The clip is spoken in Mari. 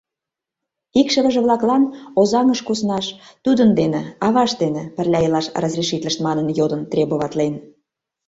Икшывыже-влаклан Озаҥыш куснаш, тудын дене, авашт дене, пырля илаш разрешитлышт манын йодын, требоватлен.